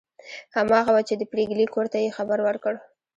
هماغه وه چې د پريګلې کور ته یې خبر ورکړ